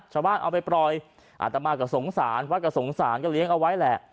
ชาวบ้านเอาไปปล่อยอ่าแต่มากับสงสารภัทรกับสงสารก็เลี้ยงเอาไว้แหละ